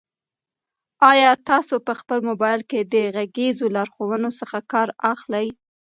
آیا تاسو په خپل موبایل کې د غږیزو لارښوونو څخه کار اخلئ؟